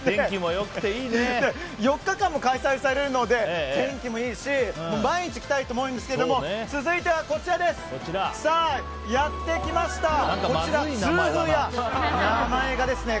４日間も開催されるので天気もいいし毎日来たいと思うんですけど続いてはこちら、痛風屋。